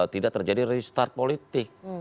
tidak terjadi restart politik